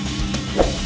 terima kasih chandra